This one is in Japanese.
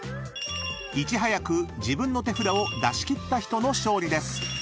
［いち早く自分の手札を出し切った人の勝利です］